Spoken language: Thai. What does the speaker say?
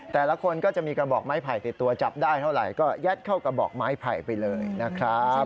แต่ละคนก็จะมีกระบอกไม้ไผ่ติดตัวจับได้เท่าไหร่ก็ยัดเข้ากระบอกไม้ไผ่ไปเลยนะครับ